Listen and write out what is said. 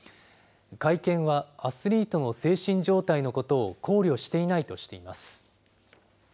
会見はアスリートの精神状態のことを考慮していないとしています。